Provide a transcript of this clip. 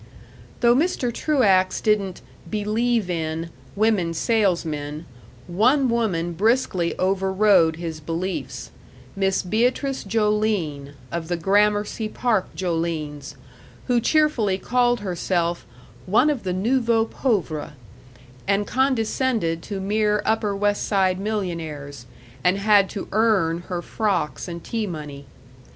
Though Mr. Truax didn't "believe in" women salesmen, one woman briskly overrode his beliefs: Miss Beatrice Joline, of the Gramercy Park Jolines, who cheerfully called herself "one of the nouveau pauvre," and condescended to mere Upper West Side millionaires, and had to earn her frocks and tea money.